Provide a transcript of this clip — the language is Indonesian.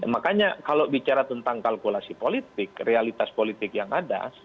makanya kalau bicara tentang kalkulasi politik realitas politik yang ada